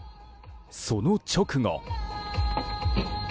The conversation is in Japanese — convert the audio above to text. その直後。